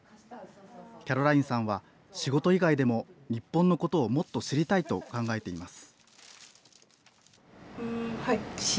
キャロラインさんは仕事以外でも日本のことをもっと知りたいと考えています。